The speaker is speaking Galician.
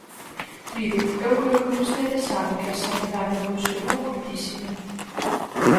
Mire, eu creo que vostede sabe que a sanidade evolucionou moitísimo.